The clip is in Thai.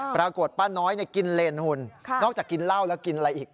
ปรากฏป้าน้อยกินเลนหุ่นนอกจากกินเหล้าแล้วกินอะไรอีก